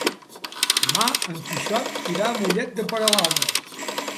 Demà en Quixot irà a Mollet de Peralada.